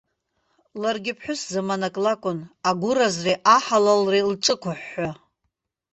Ларгьы ԥҳәыс заманак лакәын, агәыразреи аҳалалреи лҿықәыҳәҳәы.